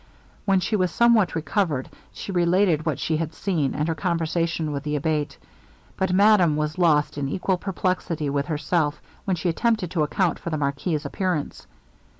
When she was somewhat recovered, she related what she had seen, and her conversation with the Abate. But madame was lost in equal perplexity with herself, when she attempted to account for the marquis's appearance.